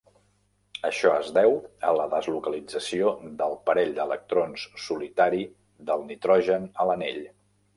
Això es deu a la deslocalització del parell d'electrons solitari del nitrogen a l'anell.